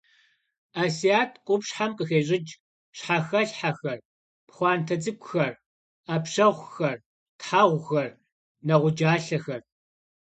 Асият къупщхьэм къыхещӏыкӏ: щхьэхэлъхьэхэр, пхъуантэ цӏыкӏухэр, ӏэпщэхъухэр, тхьэгъухэр, нэгъуджалъэхэр.